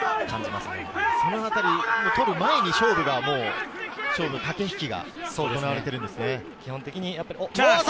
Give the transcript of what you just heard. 取る前に勝負の駆け引きが行われているんですね。